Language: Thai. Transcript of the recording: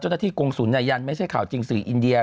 เจ้าหน้าที่กงศุนยันยันย์ไม่ใช่ข่าวจริงสื่ออินเดีย